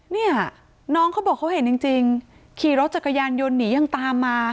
เนี่ยน้องเขาบอกเขาเห็นจริงขี่รถจักรยานยนต์หนียังตามมา